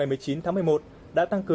tỉnh hành hệ cao trong nguyên vụ trải qua